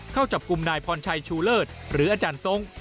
เข้าจับกลุ่มนายพรชัยชูเลิศหรืออาจารย์ทรง